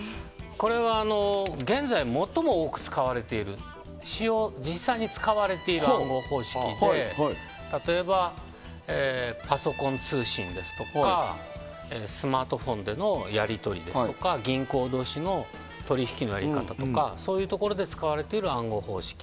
これは現在最も多く使われている実際に使われている暗号方式で例えば、パソコン通信ですとかスマートフォンでのやり取りですとあ銀行同士の取引などそういうところで使われている暗号方式